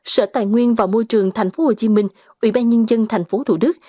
sở tài nguyên và môi trường thành phố hồ chí minh ủy ban nhân dân thành phố thủ đức